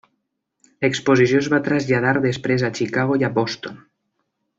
L'exposició es va traslladar després a Chicago i a Boston.